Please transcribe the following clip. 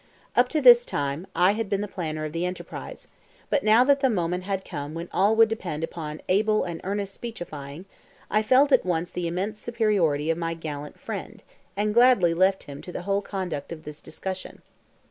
Up to this time I had been the planner of the enterprise, but now that the moment had come when all would depend upon able and earnest speechifying, I felt at once the immense superiority of my gallant friend, and gladly left to him the whole conduct of this discussion.